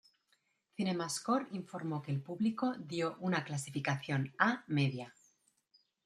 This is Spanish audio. CinemaScore informó que el público dio una calificación "A" media.